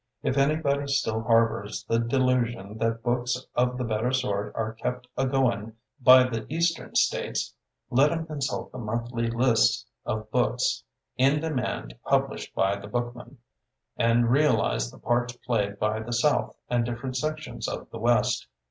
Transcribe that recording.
If anybody still harbors the delusion that books of the better sort are kept a going by the eastern states, let him consult the monthly lists of books in demand published by The Bookman, and realize the parts played by the south and different sections of the west.